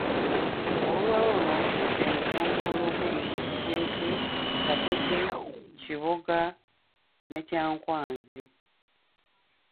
Oluwalo luno luvudde mu ggombolola okuli; Ntwetwe, Kapeke, Kiboga ne Kyankwanzi.